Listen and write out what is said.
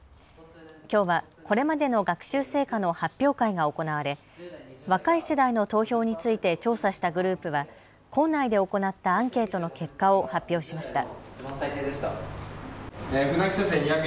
きょうはこれまでの学習成果の発表会が行われ若い世代の投票について調査したグループは校内で行ったアンケートの結果を発表しました。